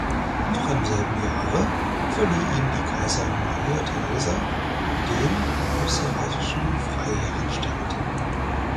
Noch im selben Jahre verlieh ihm die Kaiserin Maria Theresia den österreichischen Freiherrenstand.